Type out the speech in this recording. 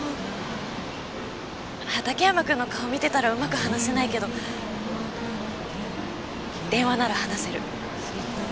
畑山君の顔見てたらうまく話せないけど電話なら話せる。